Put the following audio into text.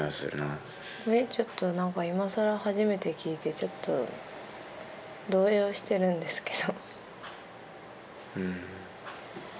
えっちょっと今更初めて聞いてちょっと動揺してるんですけど。